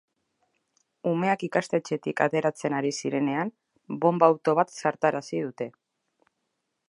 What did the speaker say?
Umeak ikastetxetik ateratzen ari zirenean, bonba-auto bat zartarazi dute.